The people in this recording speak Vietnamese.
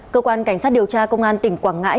cơ quan cảnh sát điều tra công an tỉnh quảng ngãi